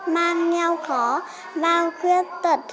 mang nhau khó và khuyết tật